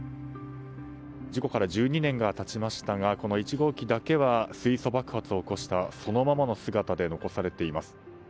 事故から１２年が経ちましたがこの１号機だけは水素爆発を起こしたそのままの姿で残されています。